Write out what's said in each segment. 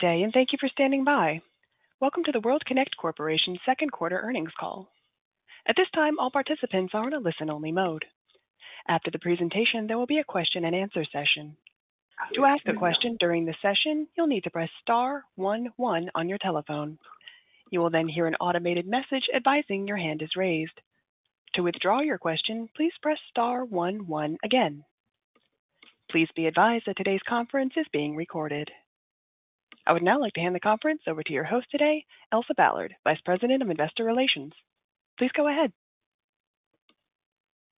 Good day. Thank you for standing by. Welcome to the World Kinect Corporation Q2 earnings call. At this time, all participants are in a listen-only mode. After the presentation, there will be a question-and-answer session. To ask a question during the session, you'll need to press star one one on your telephone. You will hear an automated message advising your hand is raised. To withdraw your question, please press star one one again. Please be advised that today's conference is being recorded. I would now like to hand the conference over to your host today, Elsa Ballard, Vice President of Investor Relations. Please go ahead.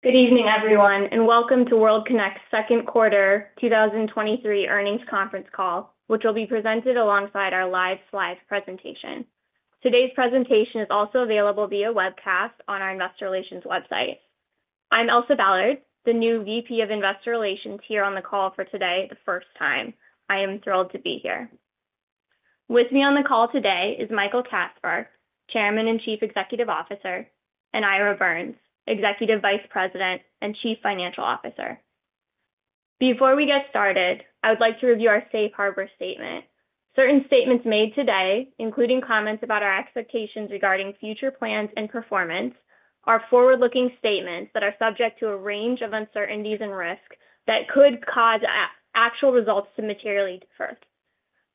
Good evening, everyone, and welcome to World Kinect's Q2 2023 earnings conference call, which will be presented alongside our live slides presentation. Today's presentation is also available via webcast on our investor relations website. I'm Elsa Ballard, the new VP of Investor Relations here on the call for today, the first time. I am thrilled to be here. With me on the call today is Michael Kasbar, Chairman and Chief Executive Officer, and Ira Birns, Executive Vice President and Chief Financial Officer. Before we get started, I would like to review our safe harbor statement. Certain statements made today, including comments about our expectations regarding future plans and performance, are forward-looking statements that are subject to a range of uncertainties and risks that could cause actual results to materially differ.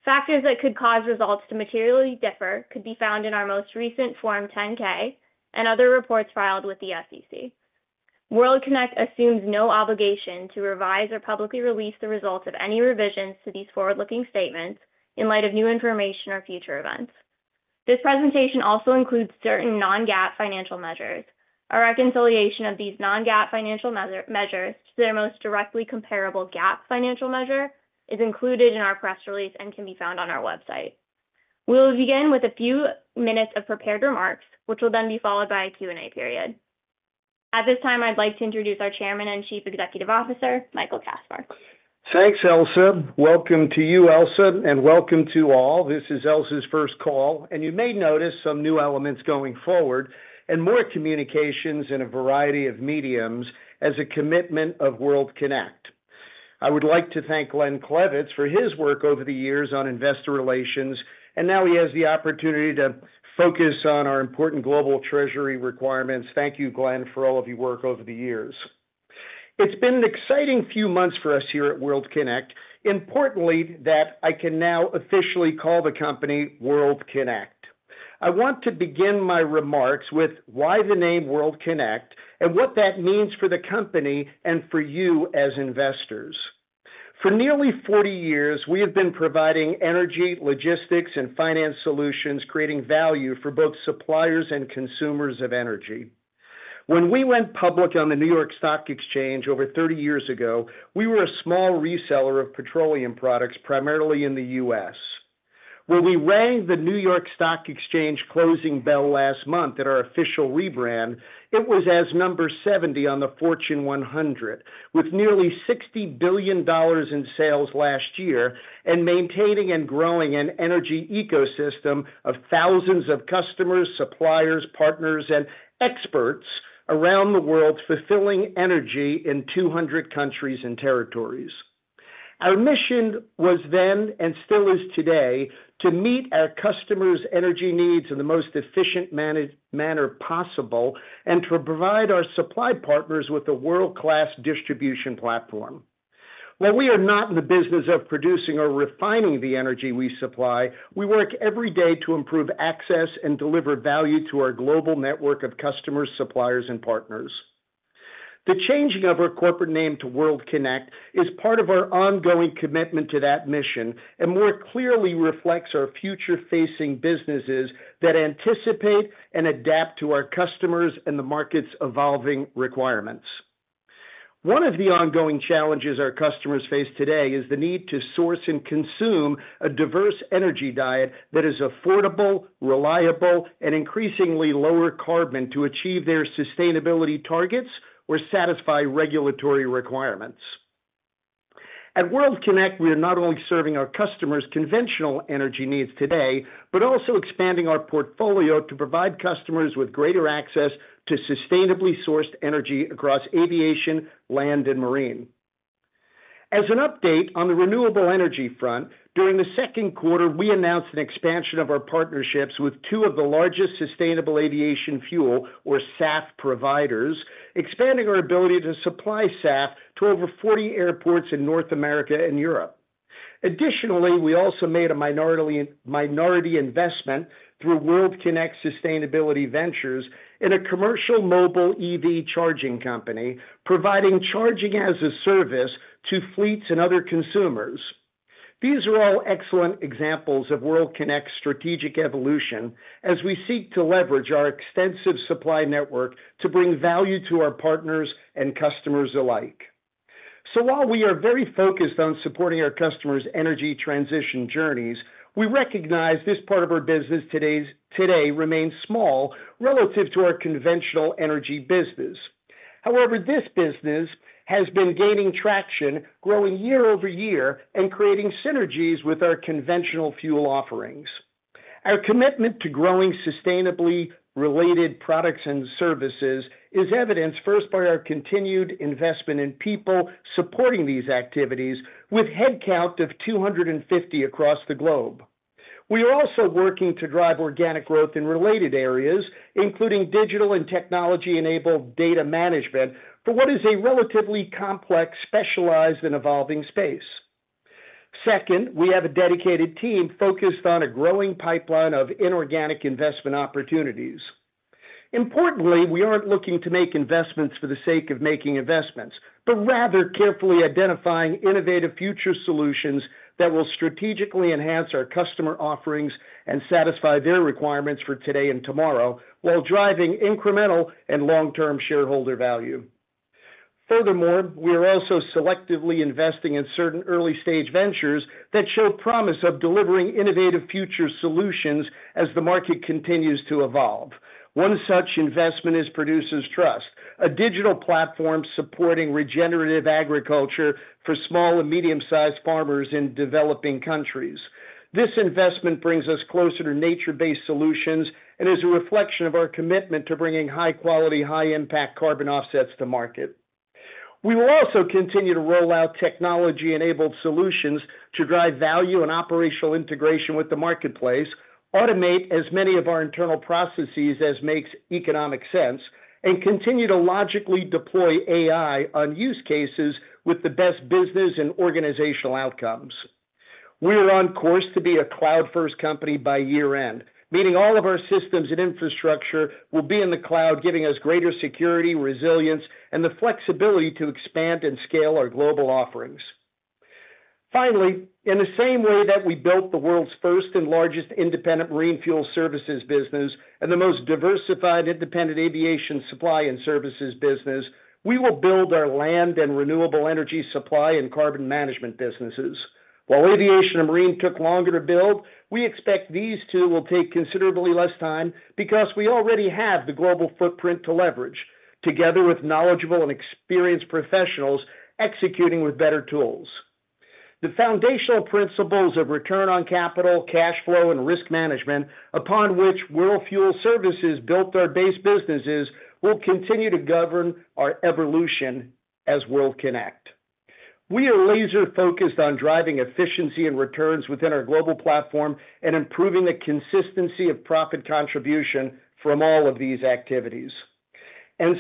Factors that could cause results to materially differ could be found in our most recent Form 10-K and other reports filed with the SEC. World Kinect assumes no obligation to revise or publicly release the results of any revisions to these forward-looking statements in light of new information or future events. This presentation also includes certain non-GAAP financial measures. A reconciliation of these non-GAAP financial measures to their most directly comparable GAAP financial measure is included in our press release and can be found on our website. We'll begin with a few minutes of prepared remarks, which will then be followed by a Q&A period. At this time, I'd like to introduce our Chairman and Chief Executive Officer, Michael Kasbar. Thanks, Elsa. Welcome to you, Elsa, and welcome to all. This is Elsa's first call, and you may notice some new elements going forward and more communications in a variety of mediums as a commitment of World Kinect. I would like to thank Glenn Klevitz for his work over the years on investor relations, and now he has the opportunity to focus on our important global treasury requirements. Thank you, Glenn, for all of your work over the years. It's been an exciting few months for us here at World Kinect. Importantly, I can now officially call the company World Kinect. I want to begin my remarks with why the name World Kinect and what that means for the company and for you as investors. For nearly 40 years, we have been providing energy, logistics, and finance solutions, creating value for both suppliers and consumers of energy. When we went public on the New York Stock Exchange over 30 years ago, we were a small reseller of petroleum products, primarily in the U.S. When we rang the New York Stock Exchange closing bell last month at our official rebrand, it was as number 70 on the Fortune 100, with nearly $60 billion in sales last year, and maintaining and growing an energy ecosystem of thousands of customers, suppliers, partners, and experts around the world, fulfilling energy in 200 countries and territories. Our mission was then, and still is today, to meet our customers' energy needs in the most efficient manner possible and to provide our supply partners with a world-class distribution platform. While we are not in the business of producing or refining the energy we supply, we work every day to improve access and deliver value to our global network of customers, suppliers, and partners. Changing our corporate name to World Kinect is part of our ongoing commitment to that mission and more clearly reflects our future-facing businesses that anticipate and adapt to our customers and market's evolving requirements. One of the ongoing challenges our customers face today is the need to source and consume a diverse energy diet that is affordable, reliable, and increasingly lower carbon to achieve their sustainability targets or satisfy regulatory requirements. At World Kinect, we are not only serving our customers' conventional energy needs today, but also expanding our portfolio to provide customers with greater access to sustainably sourced energy across aviation, land, and marine. As an update on the renewable energy front, during the Q2, we announced an expansion of our partnerships with two of the largest sustainable aviation fuel, or SAF, providers, expanding our ability to supply SAF to over 40 airports in North America and Europe. We also made a minority investment through World Kinect Sustainability Ventures in a commercial mobile EV charging company, providing charging as a service to fleets and other consumers. These are all excellent examples of World Kinect's strategic evolution as we seek to leverage our extensive supply network to bring value to our partners and customers alike. While we are very focused on supporting our customers' energy transition journeys, we recognize this part of our business today remains small relative to our conventional energy business. However, this business has been gaining traction, growing year-over-year, and creating synergies with our conventional fuel offerings. Our commitment to growing sustainably related products and services is evidenced first by our continued investment in people supporting these activities, with headcount of 250 across the globe. We are also working to drive organic growth in related areas, including digital and technology-enabled data management, for what is a relatively complex, specialized, and evolving space. Second, we have a dedicated team focused on a growing pipeline of inorganic investment opportunities. Importantly, we aren't looking to make investments for the sake of making investments, but rather carefully identifying innovative future solutions that will strategically enhance our customer offerings and satisfy their requirements for today and tomorrow, while driving incremental and long-term shareholder value. Furthermore, we are also selectively investing in certain early-stage ventures that show promise of delivering innovative future solutions as the market continues to evolve. One such investment is Producers Trust, a digital platform supporting regenerative agriculture for small and medium-sized farmers in developing countries. This investment brings us closer to nature-based solutions and is a reflection of our commitment to bringing high-quality, high-impact carbon offsets to market. We will also continue to roll out technology-enabled solutions to drive value and operational integration with the marketplace, automate as many of our internal processes as make economic sense, and continue to logically deploy AI on use cases with the best business and organizational outcomes. We are on course to be a cloud-first company by year-end, meaning all of our systems and infrastructure will be in the cloud, giving us greater security, resilience, and the flexibility to expand and scale our global offerings. Finally, in the same way that we built the world's first and largest independent marine fuel services business and the most diversified independent aviation supply and services business, we will build our land and renewable energy supply and carbon management businesses. While aviation and marine took longer to build, we expect that these two will take considerably less time because we already have the global footprint to leverage, together with knowledgeable and experienced professionals executing with better tools. The foundational principles of return on capital, cash flow, and risk management, upon which World Fuel Services built our base businesses, will continue to govern our evolution as World Kinect. We are laser-focused on driving efficiency and returns within our global platform and improving the consistency of profit contribution from all of these activities.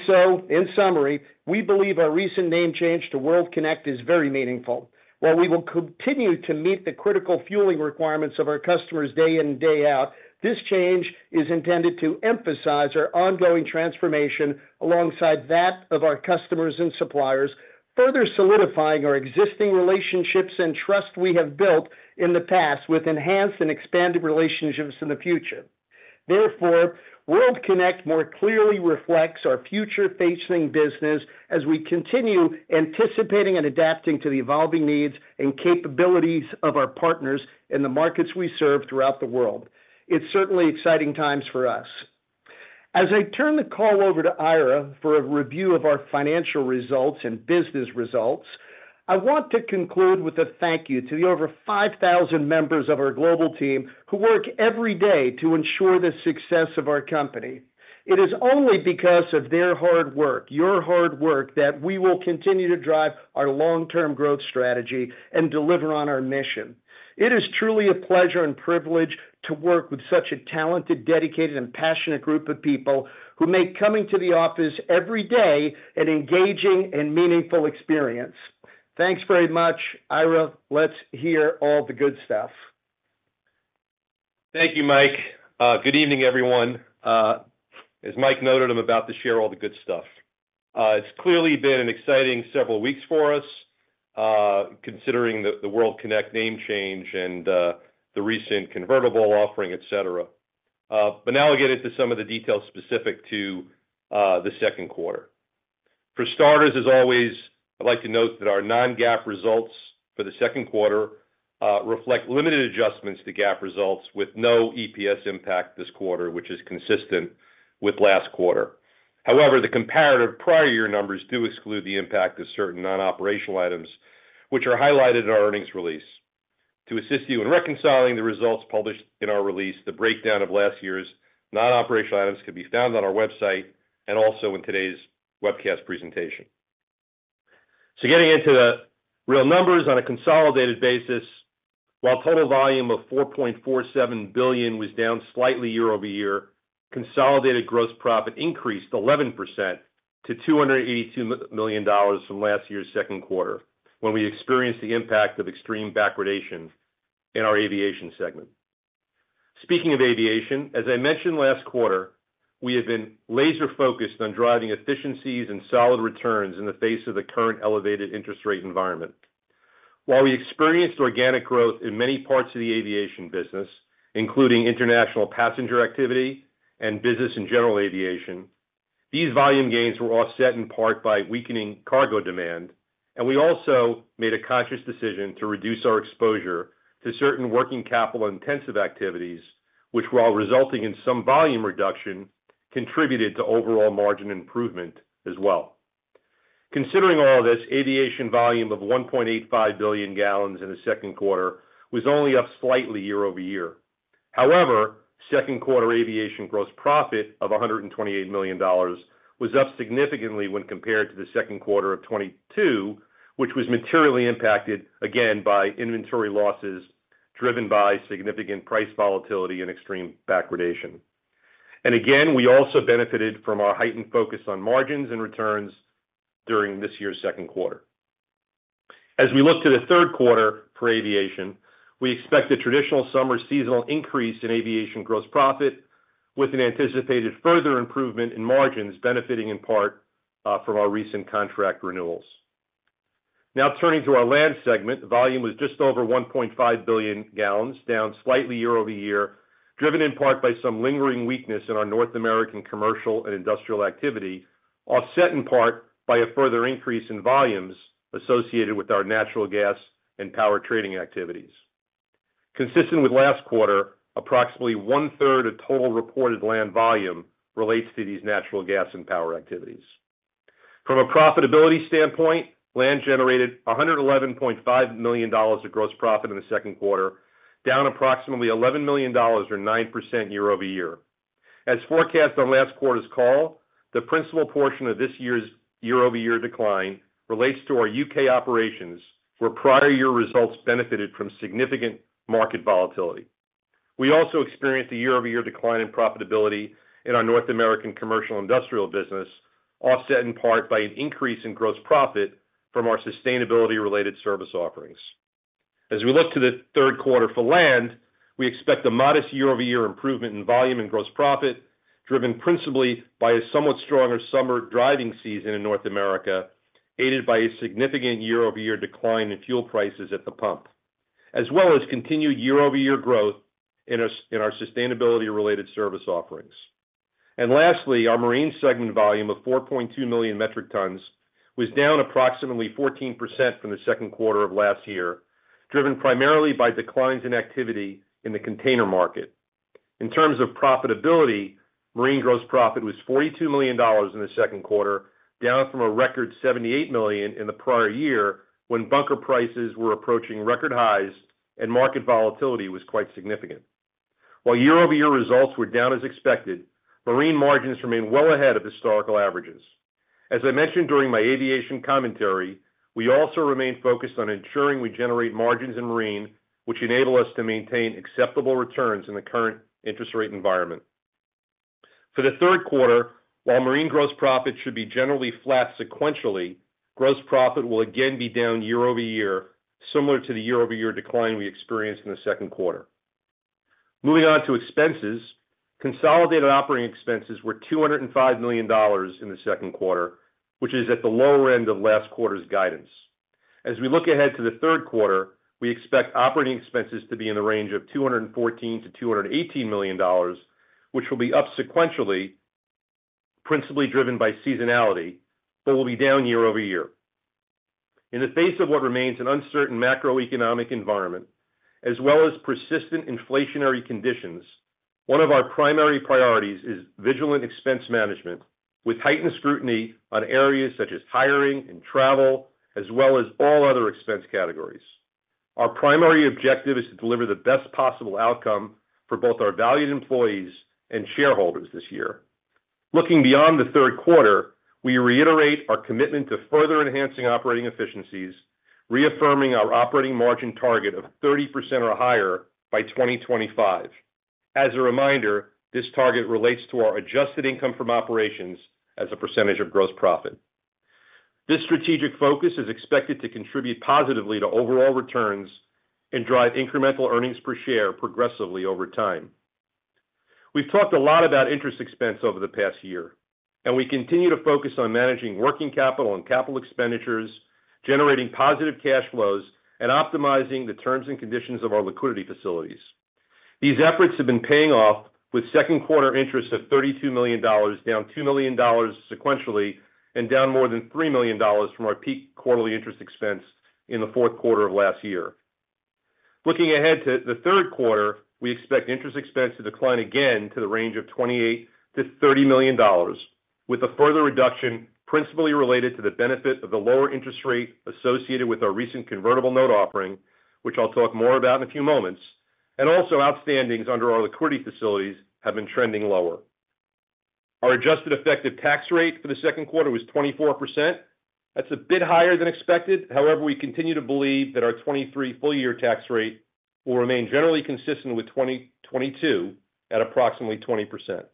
So, in summary, we believe our recent name change to World Kinect is very meaningful. While we will continue to meet the critical fueling requirements of our customers day in and day out, this change is intended to emphasize our ongoing transformation alongside that of our customers and suppliers, further solidifying our existing relationships and trust we have built in the past with enhanced and expanded relationships in the future. Therefore, World Kinect more clearly reflects our future-facing business as we continue anticipating and adapting to the evolving needs and capabilities of our partners in the markets we serve throughout the world. It's certainly exciting times for us. As I turn the call over to Ira for a review of our financial results and business results, I want to conclude with a thank you to the over 5,000 members of our global team who work every day to ensure the success of our company. It is only because of their hard work, your hard work that we will continue to drive our long-term growth strategy and deliver on our mission. It is truly a pleasure and privilege to work with such a talented, dedicated, and passionate group of people who make coming to the office every day an engaging and meaningful experience. Thanks very much. Ira, let's hear all the good stuff. Thank you, Mike. Good evening, everyone. As Mike noted, I'm about to share all the good stuff. It's clearly been an exciting several weeks for us, considering the World Kinect name change and the recent convertible offering, et cetera. Now I'll get into some of the details specific to the Q2. For starters, as always, I'd like to note that our non-GAAP results for the Q2 reflect limited adjustments to GAAP results with no EPS impact this quarter, which is consistent with last quarter. However, the comparative prior year numbers do exclude the impact of certain non-operational items, which are highlighted in our earnings release. To assist you in reconciling the results published in our release, the breakdown of last year's non-operational items can be found on our website and also in today's webcast presentation. Getting into the real numbers on a consolidated basis, while total volume of 4.47 billion was down slightly year-over-year, consolidated gross profit increased 11% to $282 million from last year's Q2, when we experienced the impact of extreme backwardation in our aviation segment. Speaking of aviation, as I mentioned last quarter, we have been laser-focused on driving efficiencies and solid returns in the face of the current elevated interest rate environment. While we experienced organic growth in many parts of the aviation business, including international passenger activity and business and general aviation, these volume gains were offset in part by weakening cargo demand, and we also made a conscious decision to reduce our exposure to certain working capital-intensive activities, which, while resulting in some volume reduction, contributed to overall margin improvement as well. Considering all this, aviation volume of 1.85 billion gallons in the Q2 was only up slightly year-over-year. However, Q2 aviation gross profit of $128 million was up significantly when compared to the Q2 of 2022, which was materially impacted, again, by inventory losses, driven by significant price volatility and extreme backwardation. Again, we also benefited from our heightened focus on margins and returns during this year's Q2. As we look to the Q3 for aviation, we expect a traditional summer seasonal increase in aviation gross profit, with an anticipated further improvement in margins, benefiting in part from our recent contract renewals. Now, turning to our land segment. Volume was just over 1.5 billion gallons, down slightly year-over-year, driven in part by some lingering weakness in our North American commercial and industrial activity, offset in part by a further increase in volumes associated with our natural gas and power trading activities. Consistent with last quarter, approximately one-third of total reported land volume relates to these natural gas and power activities. From a profitability standpoint, land generated $111.5 million of gross profit in the Q2, down approximately $11 million or 9% year-over-year. As forecast on last quarter's call, the principal portion of this year's year-over-year decline relates to our U.K. operations, where prior year results benefited from significant market volatility. We also experienced a year-over-year decline in profitability in our North American commercial industrial business, offset in part by an increase in gross profit from our sustainability-related service offerings. As we look to the Q3 for land, we expect a modest year-over-year improvement in volume and gross profit, driven principally by a somewhat stronger summer driving season in North America, aided by a significant year-over-year decline in fuel prices at the pump, as well as continued year-over-year growth in our sustainability-related service offerings. Lastly, our marine segment volume of 4.2 million metric tons was down approximately 14% from the Q2 of last year, driven primarily by declines in activity in the container market. In terms of profitability, marine gross profit was $42 million in the Q2, down from a record $78 million in the prior year, when bunker prices were approaching record highs and market volatility was quite significant. While year-over-year results were down as expected, marine margins remain well ahead of historical averages. As I mentioned during my aviation commentary, we also remain focused on ensuring we generate margins in marine, which enable us to maintain acceptable returns in the current interest rate environment. For the Q3, while marine gross profit should be generally flat sequentially, gross profit will again be down year-over-year, similar to the year-over-year decline we experienced in the Q2. Moving on to expenses. Consolidated operating expenses were $205 million in the Q2, which is at the lower end of last quarter's guidance. As we look ahead to the Q3, we expect operating expenses to be in the range of $214 million-$218 million, which will be up sequentially, principally driven by seasonality, but will be down year-over-year. In the face of what remains an uncertain macroeconomic environment, as well as persistent inflationary conditions, one of our primary priorities is vigilant expense management, with heightened scrutiny on areas such as hiring and travel, as well as all other expense categories. Our primary objective is to deliver the best possible outcome for both our valued employees and shareholders this year. Looking beyond the Q3, we reiterate our commitment to further enhancing operating efficiencies, reaffirming our operating margin target of 30% or higher by 2025. As a reminder, this target relates to our adjusted income from operations as a percentage of gross profit. This strategic focus is expected to contribute positively to overall returns and drive incremental earnings per share progressively over time. We've talked a lot about interest expense over the past year, and we continue to focus on managing working capital and capital expenditures, generating positive cash flows, and optimizing the terms and conditions of our liquidity facilities. These efforts have been paying off with Q2 interest of $32 million, down $2 million sequentially, and down more than $3 million from our peak quarterly interest expense in the Q4 of last year. Looking ahead to the Q3, we expect interest expense to decline again to the range of $28 million-$30 million, with a further reduction principally related to the benefit of the lower interest rate associated with our recent convertible note offering, which I'll talk more about in a few moments, and also outstandings under our liquidity facilities have been trending lower. Our adjusted effective tax rate for the Q2 was 24%. That's a bit higher than expected. However, we continue to believe that our 2023 full year tax rate will remain generally consistent with 2022 at approximately 20%.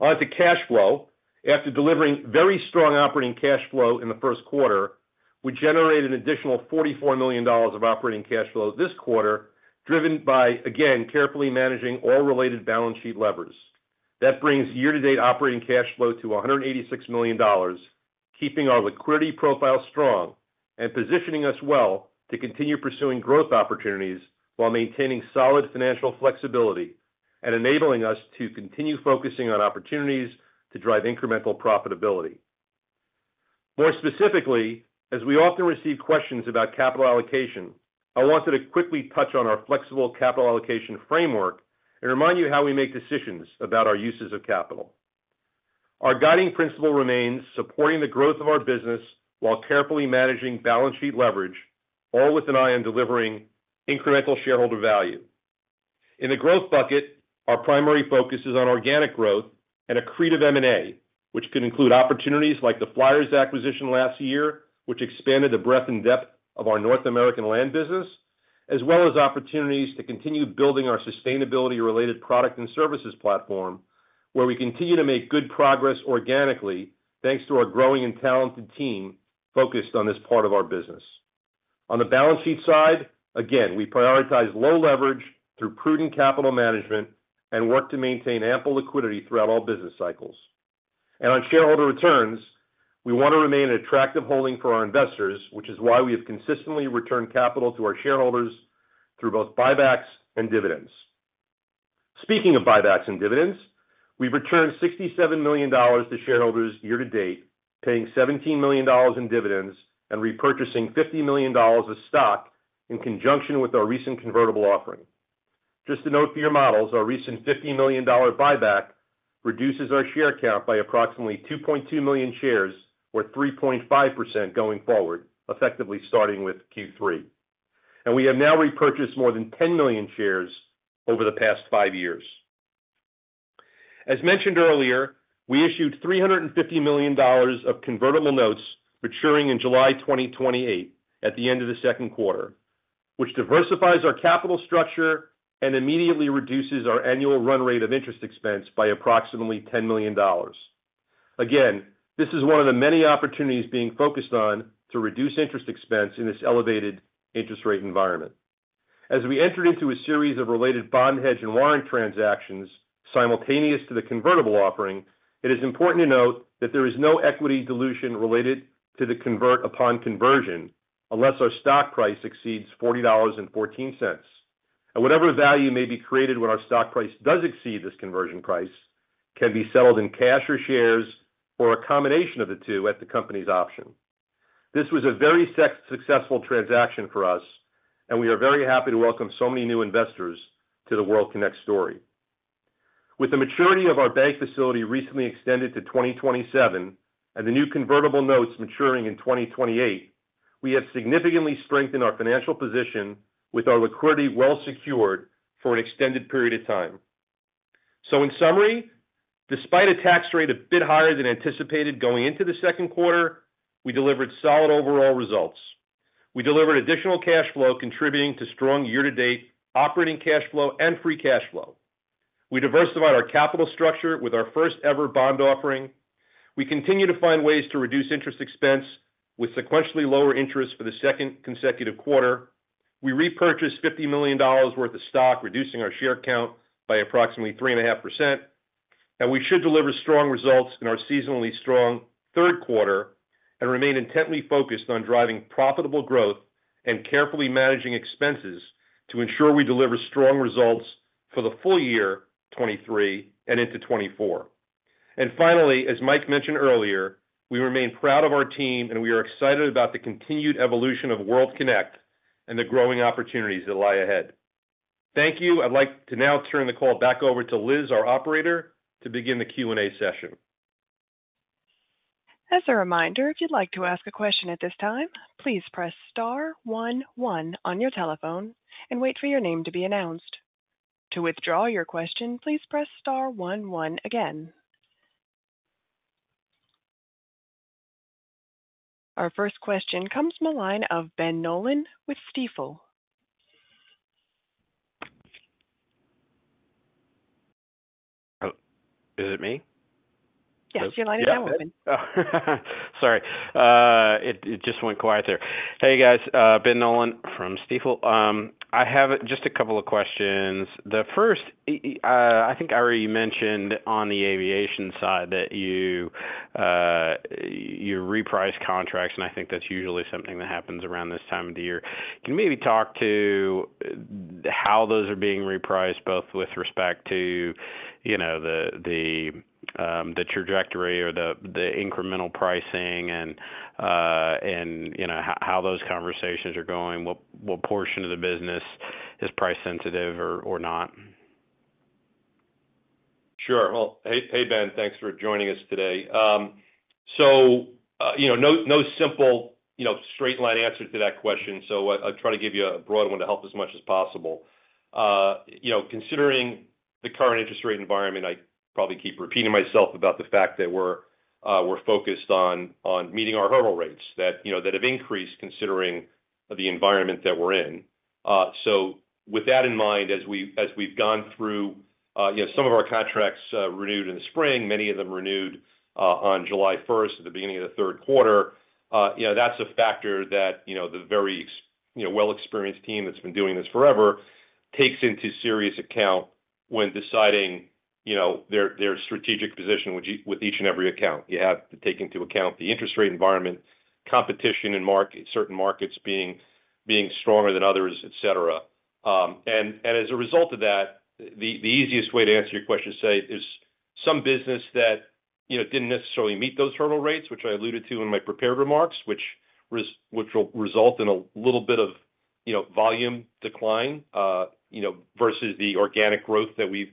On to cash flow. After delivering very strong operating cash flow in the Q1, we generated an additional $44 million of operating cash flow this quarter, driven by, again, carefully managing all related balance sheet levers. That brings year-to-date operating cash flow to $186 million, keeping our liquidity profile strong and positioning us well to continue pursuing growth opportunities while maintaining solid financial flexibility, and enabling us to continue focusing on opportunities to drive incremental profitability. More specifically, as we often receive questions about capital allocation, I wanted to quickly touch on our flexible capital allocation framework and remind you how we make decisions about our uses of capital. Our guiding principle remains supporting the growth of our business while carefully managing balance sheet leverage, all with an eye on delivering incremental shareholder value. In the growth bucket, our primary focus is on organic growth and accretive M&A, which could include opportunities like the Flyers acquisition last year, which expanded the breadth and depth of our North American land business, as well as opportunities to continue building our sustainability-related product and services platform, where we continue to make good progress organically, thanks to our growing and talented team focused on this part of our business. On the balance sheet side, again, we prioritize low leverage through prudent capital management and work to maintain ample liquidity throughout all business cycles. On shareholder returns, we want to remain an attractive holding for our investors, which is why we have consistently returned capital to our shareholders through both buybacks and dividends. Speaking of buybacks and dividends, we've returned $67 million to shareholders year-to-date, paying $17 million in dividends and repurchasing $50 million of stock in conjunction with our recent convertible offering. Just a note for your models, our recent $50 million buyback reduces our share count by approximately 2.2 million shares, or 3.5% going forward, effectively starting with Q3. We have now repurchased more than 10 million shares over the past five years. As mentioned earlier, we issued $350 million of convertible notes maturing in July 2028 at the end of the Q2, which diversifies our capital structure and immediately reduces our annual run rate of interest expense by approximately $10 million. Again, this is one of the many opportunities being focused on to reduce interest expense in this elevated interest rate environment. As we entered into a series of related bond, hedge, and warrant transactions simultaneous to the convertible offering, it is important to note that there is no equity dilution related to the convert upon conversion, unless our stock price exceeds $40.14, whatever value may be created when our stock price does exceed this conversion price can be settled in cash or shares or a combination of the two at the company's option. This was a very successful transaction for us, and we are very happy to welcome so many new investors to the World Kinect story. With the maturity of our bank facility recently extended to 2027 and the new convertible notes maturing in 2028, we have significantly strengthened our financial position with our liquidity well secured for an extended period of time. In summary, despite a tax rate a bit higher than anticipated going into the Q2, we delivered solid overall results. We delivered additional cash flow, contributing to strong year-to-date operating cash flow and free cash flow. We diversified our capital structure with our first-ever bond offering. We continue to find ways to reduce interest expense with sequentially lower interest for the second consecutive quarter. We repurchased $50 million worth of stock, reducing our share count by approximately 3.5%. We should deliver strong results in our seasonally strong Q3 and remain intently focused on driving profitable growth and carefully managing expenses to ensure we deliver strong results for the full year 2023 and into 2024. Finally, as Mike mentioned earlier, we remain proud of our team, and we are excited about the continued evolution of World Kinect and the growing opportunities that lie ahead. Thank you. I'd like to now turn the call back over to Liz, our operator, to begin the Q&A session. As a reminder, if you'd like to ask a question at this time, please press star one one on your telephone and wait for your name to be announced. To withdraw your question, please press star one one again. Our first question comes from the line of Ben Nolan with Stifel. Oh, is it me? Yes, your line is open. Sorry, it, it just went quiet there. Hey, guys, Ben Nolan from Stifel. I have just a couple of questions. The first, I think I already mentioned on the aviation side that you, you reprice contracts, and I think that's usually something that happens around this time of the year. Can you maybe talk to how those are being repriced, both with respect to, you know, the, the, the trajectory or the, the incremental pricing and, and, you know, how, how those conversations are going? What, what portion of the business is price sensitive or, or not? Sure. Well, hey, hey, Ben, thanks for joining us today. You know, no, no simple, you know, straight line answer to that question, so I'll try to give you a broad one to help as much as possible. You know, considering the current interest rate environment, I probably keep repeating myself about the fact that we're, we're focused on, on meeting our hurdle rates, that, you know, that have increased considering the environment that we're in. With that in mind, as we, as we've gone through, you know, some of our contracts, renewed in the spring, many of them renewed, on July 1st, at the beginning of the Q3, you know, that's a factor that, you know, the very ex... you know, well-experienced team that's been doing this forever takes into serious account when deciding, you know, their, their strategic position with each and every account. You have to take into account the interest rate environment, competition in certain markets being, being stronger than others, et cetera. As a result of that, the, the easiest way to answer your question, say is that some business, you know, didn't necessarily meet those hurdle rates, which I alluded to in my prepared remarks, which will result in a little bit of, you know, volume decline, you know, versus the organic growth that we've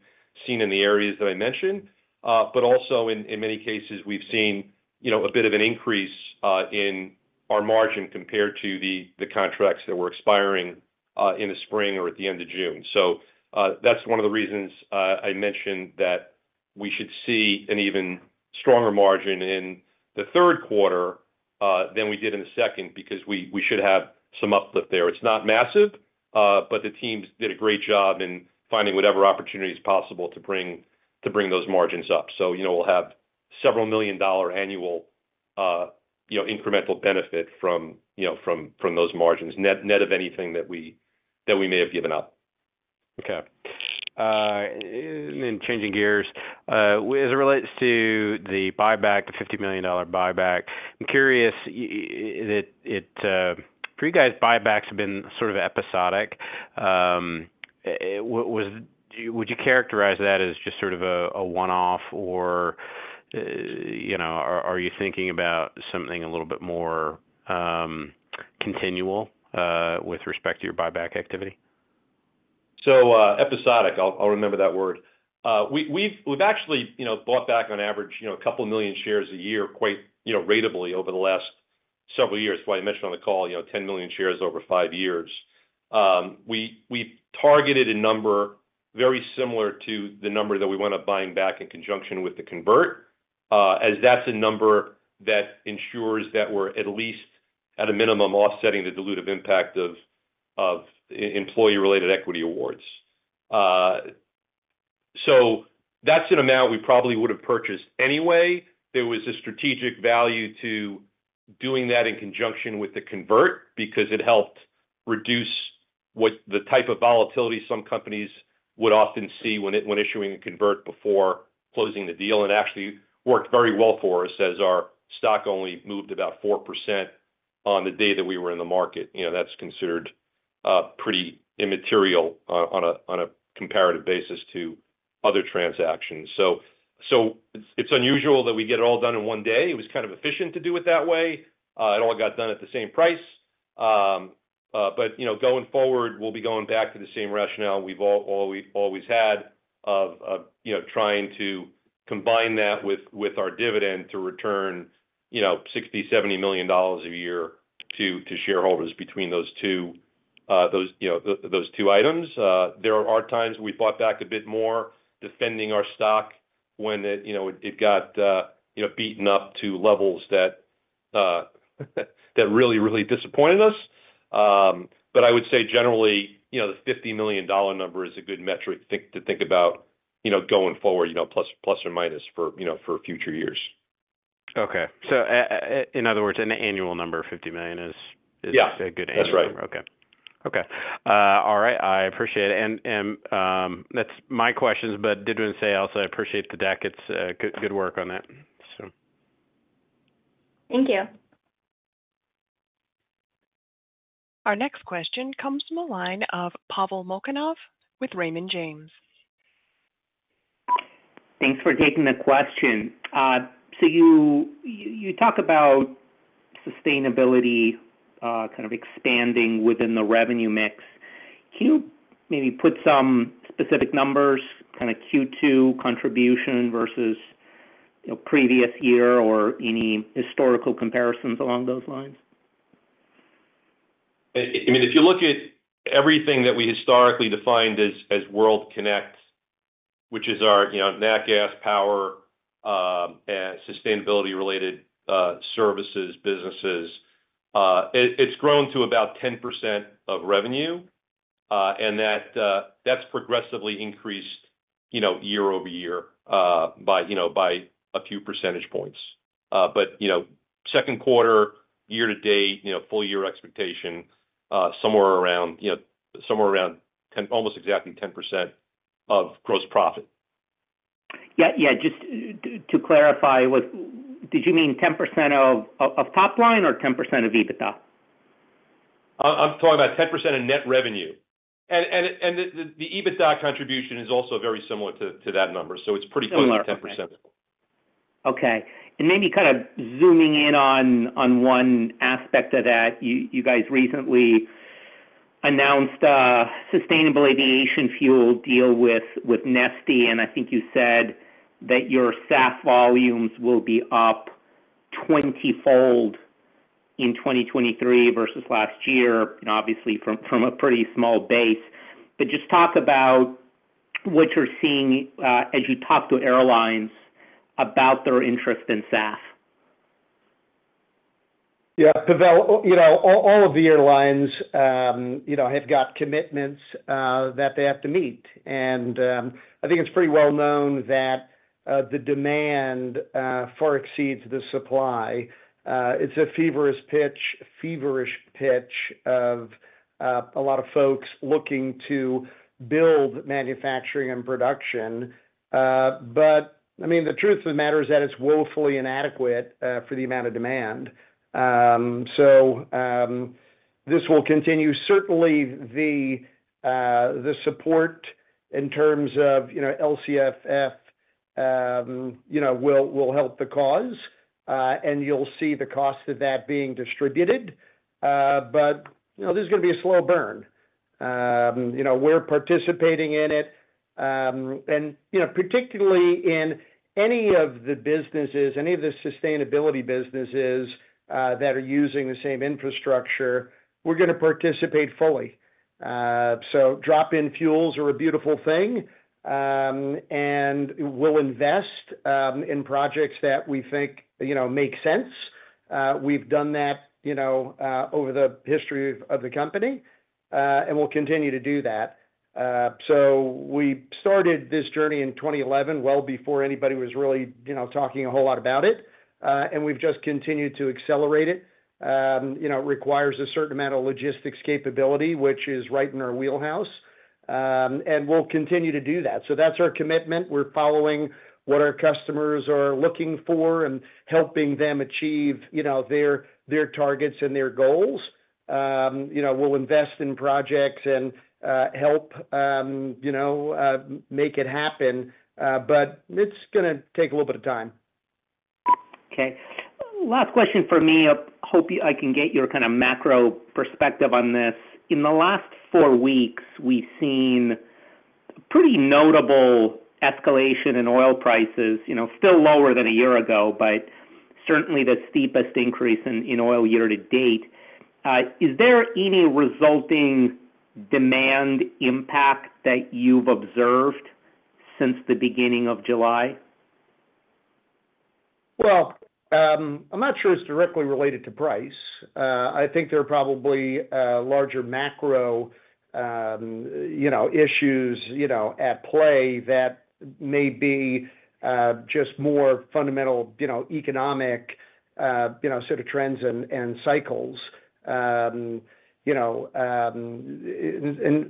seen in the areas that I mentioned. Also in, in many cases, we've seen, you know, a bit of an increase in our margin compared to the, the contracts that were expiring in the spring or at the end of June. That's one of the reasons I mentioned that we should see an even stronger margin in the Q3 than we did in the second, because we should have some uplift there. It's not massive, but the teams did a great job in finding whatever opportunity is possible to bring, to bring those margins up. You know, we'll have several million dollar annual, you know, incremental benefit from, you know, from, from those margins, net, net of anything that we may have given up. Okay. Changing gears, as it relates to the buyback, the $50 million buyback, I'm curious, for you guys, buybacks have been sort of episodic. Would you characterize that as just sort of a, a one-off, or, you know, are you thinking about something a little bit more continual with respect to your buyback activity? Episodic, I'll remember that word. We've actually, you know, bought back on average, you know, 2 million shares a year, quite, you know, ratably over the last several years. That's why I mentioned on the call, you know, 10 million shares over five years. We targeted a number very similar to the number that we wound up buying back in conjunction with the convert, as that's a number that ensures that we're at least at a minimum offsetting the dilutive impact of, of employee-related equity awards. That's an amount we probably would have purchased anyway. There was a strategic value to doing that in conjunction with the convert, because it helped reduce what the type of volatility some companies would often see when issuing a convert before closing the deal. Actually worked very well for us, as our stock only moved about 4% on the one day that we were in the market. You know, that's considered, pretty immaterial on a, on a comparative basis to other transactions. It's unusual that we get it all done in one day. It was kind of efficient to do it that way. It all got done at the same price. You know, going forward, we'll be going back to the same rationale we've always had of, you know, trying to combine that with, with our dividend to return, you know, $60 million-$70 million a year to shareholders between those two, those, you know, those two items. There are times we bought back a bit more, defending our stock when it, you know, it, it got, you know, beaten up to levels that really, really disappointed us. I would say generally, you know, the $50 million number is a good metric to think about, you know, going forward, you know, plus or minus for, you know, for future years. Okay. In other words, an annual number of $50 million is... Yeah. - is a good annual number. That's right. Okay. Okay, all right, I appreciate it. That's my questions, but did want to say also, I appreciate the deck. It's good, good work on that, so. Thank you. Our next question comes from the line of Pavel Molchanov with Raymond James. Thanks for taking the question. You talk about sustainability, kind of expanding within the revenue mix. Can you maybe put some specific numbers, kind of Q2 contribution versus, you know, previous year or any historical comparisons along those lines? When you look at everything that we historically defined as World Kinect, which is our nat gas, power, and sustainability-related services businesses, it's grown to about 10% of revenue. And that's progressively increased year-over-year by a few percentage points. But, Q2, year-to-date, full year expectation, somewhere around almost exactly 10% of gross profit Yeah, yeah. Just to clarify, did you mean 10% of, of, of top line or 10% of EBITDA? I'm talking about 10% of net revenue. The EBITDA contribution is also very similar to that number, so it's pretty close to 10%. Okay. Maybe kind of zooming in on, on one aspect of that, you, you guys recently announced a sustainable aviation fuel deal with, with Neste, and I think you said that your SAF volumes will be up 20-fold in 2023 versus last year, and obviously from a pretty small base. Just talk about what you're seeing, as you talk to airlines about their interest in SAF? Yeah, Pavel, you know, all, all of the airlines, you know, have got commitments that they have to meet. I think it's pretty well known that the demand far exceeds the supply. It's a feverish pitch, feverish pitch of a lot of folks looking to build manufacturing and production. I mean, the truth of the matter is that it's woefully inadequate for the amount of demand.... this will continue. Certainly, the, the support in terms of, you know, LCFS, you know, will, will help the cause, and you'll see the cost of that being distributed. You know, this is gonna be a slow burn. You know, we're participating in it, and, you know, particularly in any of the businesses, any of the sustainability businesses, that are using the same infrastructure, we're gonna participate fully. Drop-in fuels are a beautiful thing, and we'll invest, in projects that we think, you know, make sense. We've done that, you know, over the history of, of the company, and we'll continue to do that. We started this journey in 2011, well before anybody was really, you know, talking a whole lot about it. We've just continued to accelerate it. You know, it requires a certain amount of logistics capability, which is right in our wheelhouse, and we'll continue to do that. That's our commitment. We're following what our customers are looking for and helping them achieve, you know, their, their targets and their goals. You know, we'll invest in projects and help, you know, make it happen, but it's gonna take a little bit of time. Okay. Last question for me. I hope I can get your kind of macro perspective on this. In the last four weeks, we've seen pretty notable escalation in oil prices, you know, still lower than a year ago, but certainly the steepest increase in, in oil year-to-date. Is there any resulting demand impact that you've observed since the beginning of July? Well, I'm not sure it's directly related to price. I think there are probably larger macro, you know, issues, you know, at play that may be just more fundamental, you know, economic, you know, sort of trends and, and cycles. You know,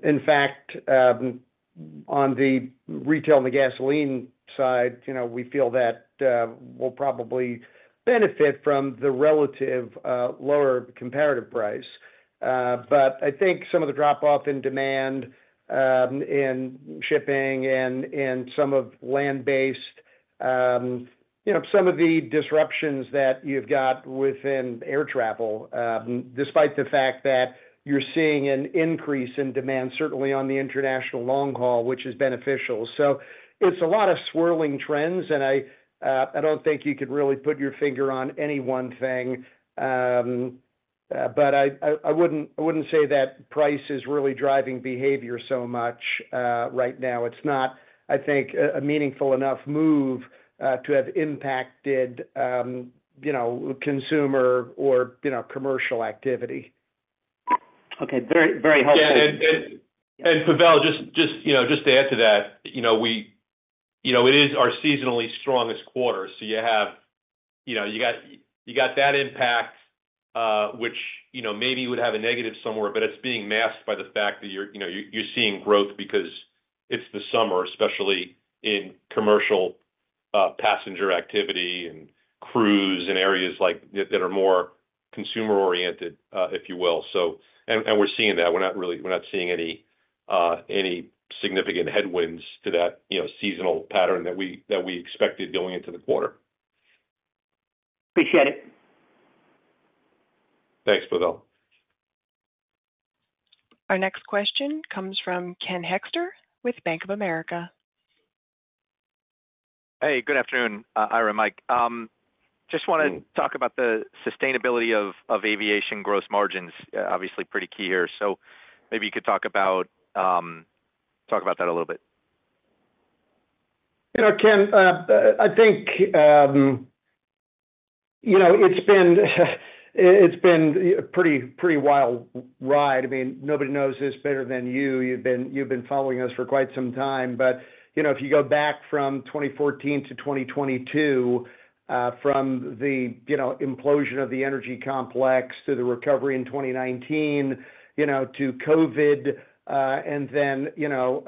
in fact, on the retail and the gasoline side, you know, we feel that we'll probably benefit from the relative lower comparative price. But I think some of the drop off in demand in shipping and, and some of land-based, you know, some of the disruptions that you've got within air travel, despite the fact that you're seeing an increase in demand, certainly on the international long haul, which is beneficial. It's a lot of swirling trends, and I don't think you could really put your finger on any one thing. I wouldn't, I wouldn't say that price is really driving behavior so much, right now. It's not, I think, a meaningful enough move, to have impacted, you know, consumer or, you know, commercial activity. Okay. Very, very helpful. Yeah, and, and Pavel, just, just, you know, just to add to that, you know, it is our seasonally strongest quarter, so you have, you know, you got, you got that impact, which, you know, maybe would have a negative somewhere, but it's being masked by the fact that you're, you know, you're, you're seeing growth because it's the summer, especially in commercial, passenger activity and cruise in areas like that are more consumer oriented, if you will. And, and we're seeing that. We're not seeing any, any significant headwinds to that, you know, seasonal pattern that we expected going into the quarter. Appreciate it. Thanks, Pavel. Our next question comes from Ken Hoexter with Bank of America. Hey, good afternoon, Ira and Mike. Just want to talk about the sustainability of aviation gross margins. Obviously, pretty key here. Maybe you could talk about, talk about that a little bit. You know, Ken, I think, you know, it's been a pretty, pretty wild ride. I mean, nobody knows this better than you. You've been, you've been following us for quite some time, but, you know, if you go back from 2014 to 2022, from the, you know, implosion of the energy complex to the recovery in 2019, you know, to COVID, and then, you know,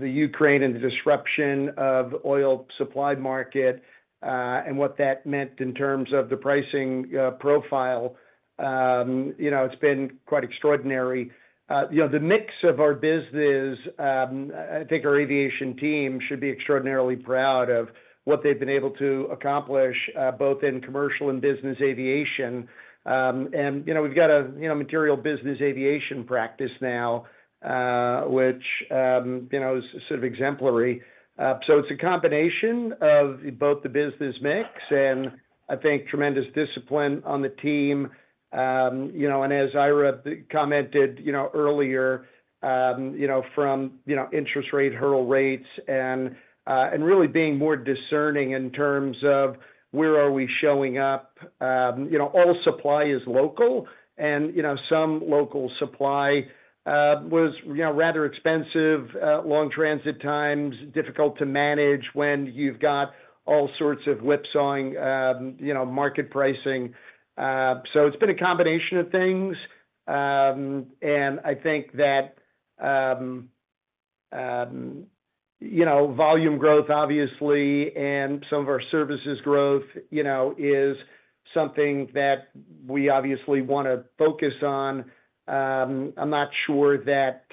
the Ukraine and the disruption of oil supply market, and what that meant in terms of the pricing, profile, you know, it's been quite extraordinary. You know, the mix of our business, I think our aviation team should be extraordinarily proud of what they've been able to accomplish, both in commercial and business aviation. You know, we've got a material business aviation practice now, which, you know, is sort of exemplary. It's a combination of both the business mix and I think tremendous discipline on the team. As Ira commented, you know, earlier, from, you know, interest rate, hurdle rates, and really being more discerning in terms of where are we showing up. All supply is local, and, you know, some local supply was, you know, rather expensive, long transit times, difficult to manage when you've got all sorts of whipsawing, market pricing. It's been a combination of things. I think that, you know, volume growth, obviously, and some of our services growth, you know, is something that we obviously want to focus on. I'm not sure that,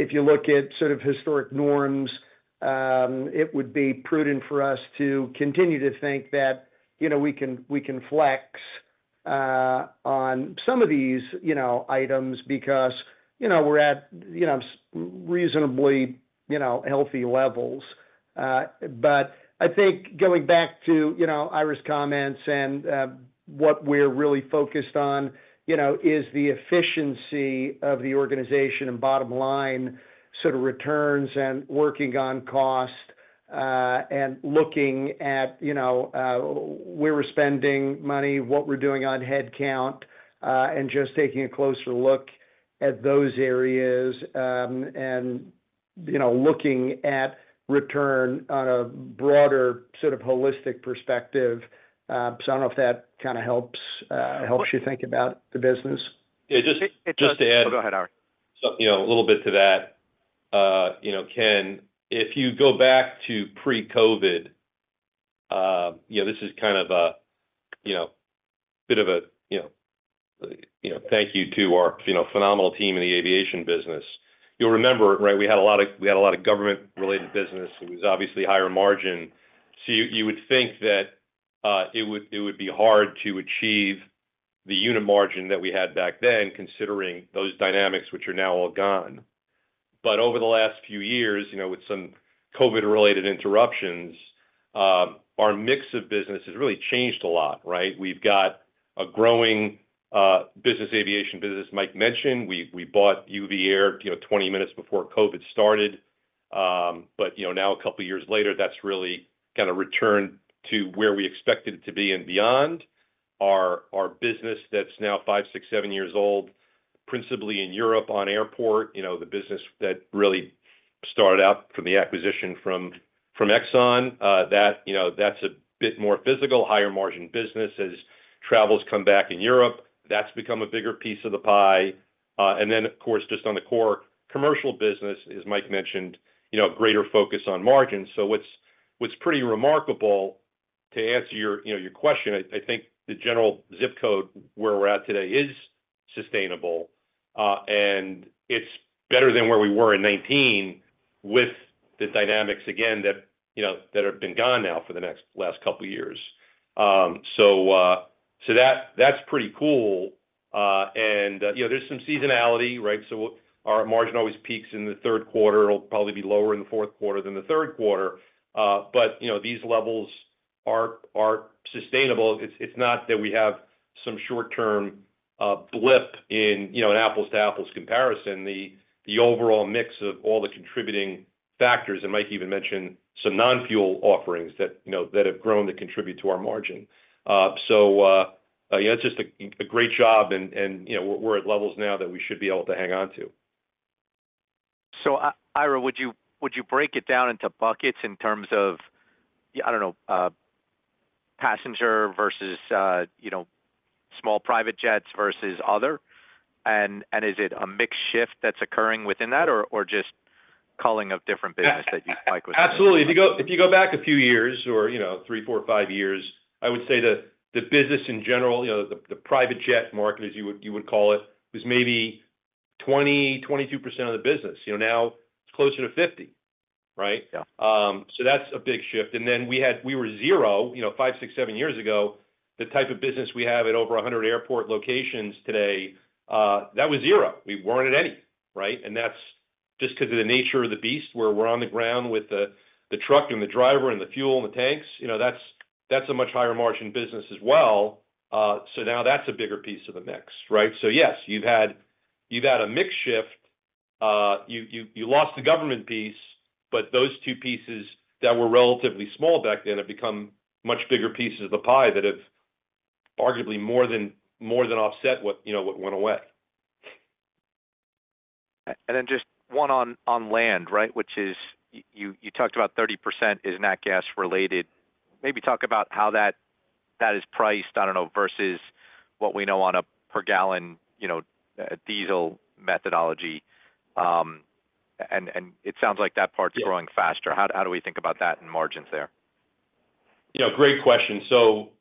if you look at sort of historic norms, it would be prudent for us to continue to think that, you know, we can, we can flex on some of these, you know, items because, you know, we're at, you know, reasonably, you know, healthy levels. I think going back to, you know, Ira's comments and what we're really focused on, you know, is the efficiency of the organization and bottom line sort of returns and working on cost, and looking at, you know, where we're spending money, what we're doing on headcount, and just taking a closer look at those areas, and, you know, looking at return on a broader sort of holistic perspective. I don't know if that kind of helps, helps you think about the business. Yeah, just to add- Go ahead, Ira. You know, a little bit to that. You know, Ken, if you go back to pre-COVID, you know, this is kind of a bit of a, you know, thank you to our phenomenal team in the aviation business. You'll remember, right, we had a lot of, we had a lot of government-related business. It was obviously higher margin. You, would think that, it would be hard to achieve the unit margin that we had back then, considering those dynamics, which are now all gone. Over the last few years, you know, with some COVID-related interruptions, our mix of business has really changed a lot, right? We've got a growing, business aviation business. Mike mentioned we bought UVAir, you know, 20 minutes before COVID started. You know, now, a couple of years later, that's really kind of returned to where we expected it to be and beyond. Our business that's now five, six, seven years old, principally in Europe, on airport, you know, the business that really started out from the acquisition from, from ExxonMobil, that, you know, that's a bit more physical, higher-margin business. As travels come back in Europe, that's become a bigger piece of the pie. Then, of course, just on the core commercial business, as Mike mentioned, you know, greater focus on margin. What's, what's pretty remarkable, to answer your question, I think the general zip code where we're at today is sustainable, and it's better than where we were in 2019 with the dynamics, again, that, you know, that have been gone now for the last couple of years. That's pretty cool. You know, there's some seasonality, right? Our margin always peaks in the Q3. It'll probably be lower in the Q4 than the Q3. You know, these levels are, are sustainable. It's, it's not that we have some short-term blip in, you know, an apples-to-apples comparison. The, the overall mix of all the contributing factors, and Michael even mentioned some non-fuel offerings that have grown to contribute to our margin. you know, it's just a, a great job and, and, you know, we're, we're at levels now that we should be able to hang on to. Ira, would you, would you break it down into buckets in terms of, I don't know, passenger versus, you know, small private jets versus other? Is it a mix shift that's occurring within that or just culling of different business that you'd like. Absolutely. If you go back a few years or, you know, three, four, five years, I would say the, the business in general, you know, the private jet market, as you would call it, was maybe 20%-22% of the business. You know, now it's closer to 50%, right? Yeah. That's a big shift. Then we were zero, you know, five, six, seven years ago, the type of business we have at over 100 airport locations today, that was zero. We weren't at any, right? That's just because of the nature of the beast, where we're on the ground with the truck and the driver and the fuel and the tanks. You know, that's a much higher margin business as well. Now that's a bigger piece of the mix, right? Yes, you've had, you've had a mix shift. You lost the government piece, but those two pieces that were relatively small back then have become much bigger pieces of the pie that have arguably more than, more than offset what, you know, what went away. Just one on land, right? Which is you talked about 30% is nat gas related. Maybe talk about how that is priced, I don't know, versus what we know on a per gallon, you know, diesel methodology. It sounds like that part's growing faster. How do we think about that and margins there? You know, great question.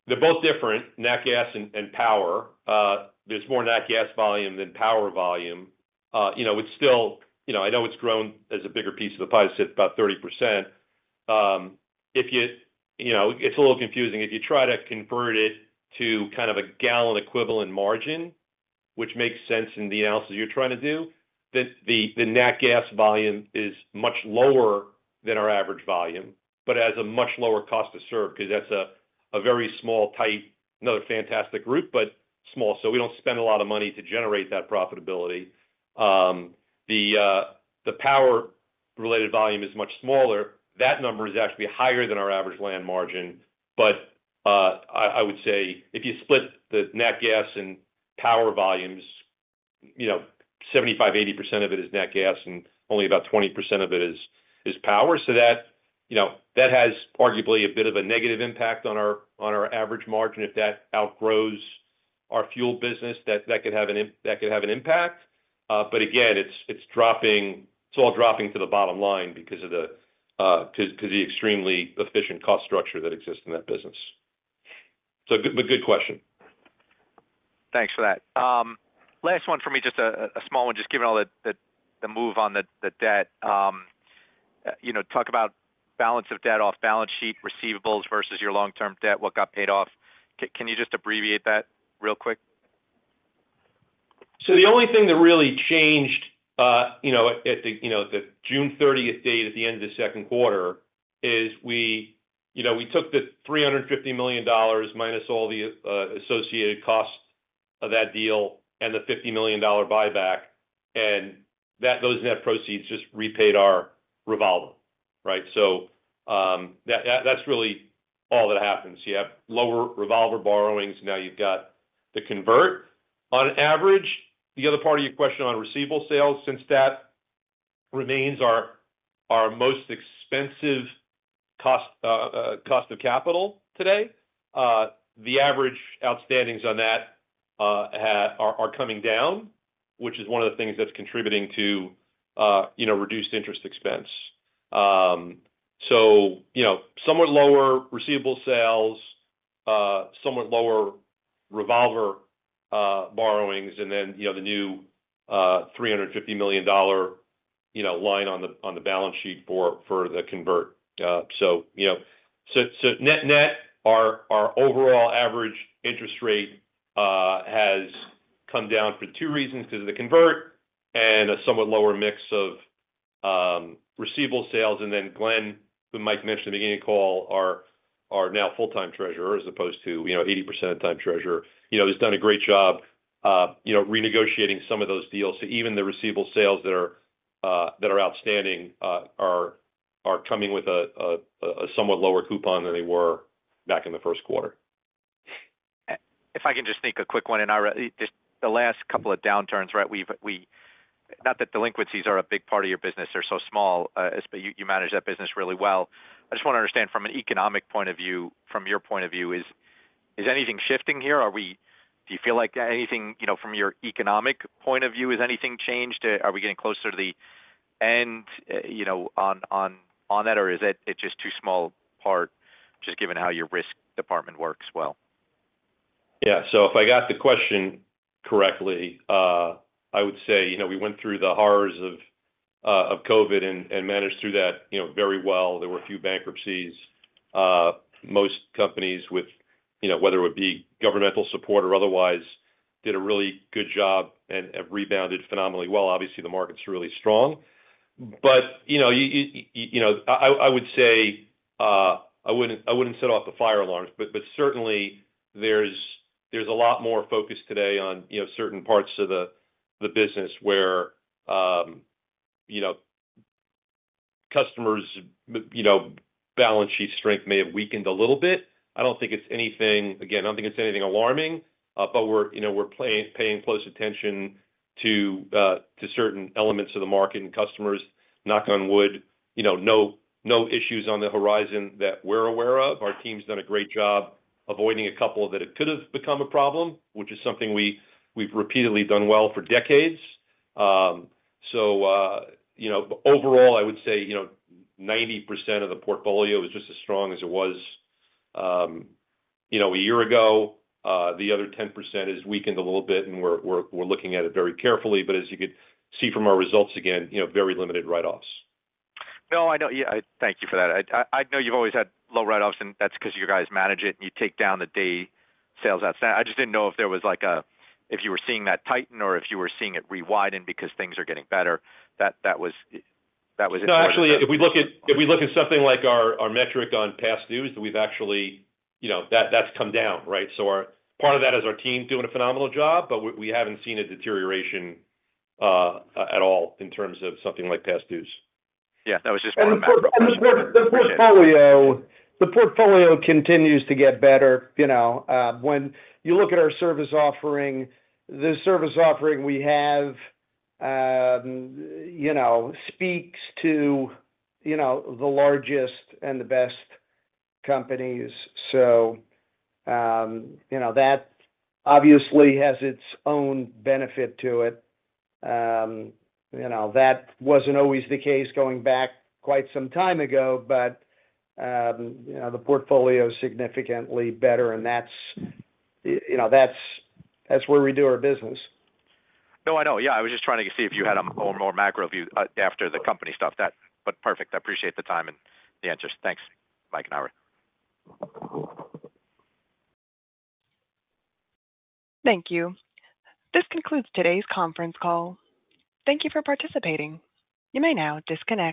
They're both different, nat gas and power. There's more nat gas volume than power volume. You know, it's still, I know it's grown as a bigger piece of the pie, it's about 30%. If you know, it's a little confusing. If you try to convert it to kind of a gallon equivalent margin, which makes sense in the analysis you're trying to do, the nat gas volume is much lower than our average volume, but has a much lower cost to serve because that's a, a very small, tight, another fantastic group, but small, so we don't spend a lot of money to generate that profitability. The power-related volume is much smaller. That number is actually higher than our average land margin. I would say if you split the nat gas and power volumes, you know, 75, 80% of it is nat gas, and only about 20% of it is, is power. That, you know, that has arguably a bit of a negative impact on our, on our average margin if that outgrows our fuel business that could have an impact. Again, it's all dropping to the bottom line because of the, to the extremely efficient cost structure that exists in that business. Good question. Thanks for that. Last one for me, just a small one, just given all the move on the debt. You know, talk about balance of debt off balance sheet, receivables versus your long-term debt, what got paid off? Can you just abbreviate that real quick? The only thing that really changed, you know, at the, you know, the June 30th date, at the end of the Q2, is we, you know, we took the $350 million, minus all the associated costs of that deal and the $50 million buyback, and those net proceeds just repaid our revolver, right. That's really all that happens. You have lower revolver borrowings, now you've got the convert. On average, the other part of your question on receivable sales, since that remains our, our most expensive cost, cost of capital today, the average outstandings on that are coming down, which is one of the things that's contributing to, you know, reduced interest expense. You know, somewhat lower receivable sales, somewhat lower revolver borrowings, and then, you know, the new $350 million, you know, line on the, on the balance sheet for, for the convert. You know, so net, our overall average interest rate has come down for two reasons: 'cause of the convert and a somewhat lower mix of receivable sales. Then Glenn, who Mike mentioned in the beginning of the call, our now full-time Treasurer, as opposed to, you know, 80% of the time Treasurer. You know, he's done a great job, you know, renegotiating some of those deals. Even the receivable sales that are outstanding, are coming with a somewhat lower coupon than they were back in the Q1. If I can just sneak a quick one in. Just the last couple of downturns, right? Not that delinquencies are a big part of your business, they're so small, but you manage that business really well. I just want to understand from an economic point of view, from your point of view, is anything shifting here? Are we? Do you feel like anything, you know, from your economic point of view, has anything changed? Are we getting closer to the end, you know, on that, or is it, it's just too small a part, just given how your risk department works well? If I got the question correctly, I would say, you know, we went through the horrors of COVID and managed through that, you know, very well. There were a few bankruptcies. Most companies with, you know, whether it would be governmental support or otherwise, did a really good job and have rebounded phenomenally well. Obviously, the market's really strong. You know, I would say, I wouldn't set off the fire alarms, but certainly there's, there's a lot more focus today on, you know, certain parts of the business where, you know, customers, you know, balance sheet strength may have weakened a little bit. I don't think it's anything... I don't think it's anything alarming, but we're, you know, we're paying close attention to certain elements of the market and customers, knock on wood, you know, no, no issues on the horizon that we're aware of. Our team's done a great job avoiding a couple that it could have become a problem, which is something we've repeatedly done well for decades. You know, overall, I would say, you know, 90% of the portfolio is just as strong as it was, you know, a year ago. The other 10% has weakened a little bit, and we're, we're, we're looking at it very carefully. As you could see from our results, again, you know, very limited write-offs. No, I know. Yeah, thank you for that. I know you've always had low write-offs, and that's 'cause you guys manage it, and you take down the Days Sales Outstanding. I just didn't know if there was like if you were seeing that tighten or if you were seeing it re-widen because things are getting better. That was. No, actually, if we look at something like our, our metric on past dues, we've actually, you know, that's come down, right? Part of that is our team doing a phenomenal job, but we haven't seen a deterioration, at all in terms of something like past dues. Yeah, that was just- The portfolio, the portfolio continues to get better, you know. When you look at our service offering, the service offering we have, you know, speaks to, you know, the largest and the best companies. That obviously has its own benefit to it. You know, that wasn't always the case going back quite some time ago, but, you know, the portfolio is significantly better, and that's where we do our business. No, I know. Yeah, I was just trying to see if you had a more, more macro view, after the company stuff. Perfect. I appreciate the time and the answers. Thanks, Mike and Ira. Thank you. This concludes today's conference call. Thank you for participating. You may now disconnect.